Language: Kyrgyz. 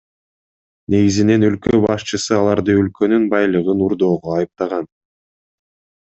Негизинен өлкө башчысы аларды өлкөнүн байлыгын урдоого айыптаган.